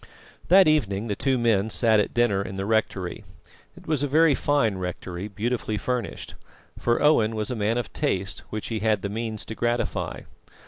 That evening the two men sat at dinner in the rectory. It was a very fine rectory, beautifully furnished; for Owen was a man of taste which he had the means to gratify.